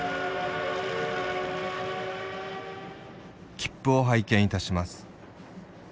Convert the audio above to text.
「『切符を拝見いたします。』